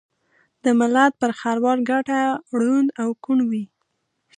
دملت پر خروار ګټه ړوند او کوڼ وي